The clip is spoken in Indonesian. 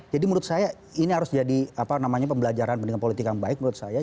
jadi menurut saya ini harus jadi pembelajaran dengan politik yang baik menurut saya